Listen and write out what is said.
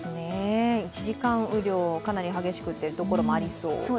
１時間雨量かなり激しくてという所もありそう。